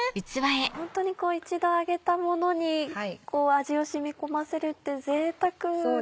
本当に一度揚げたものに味を染み込ませるってぜいたくですよね。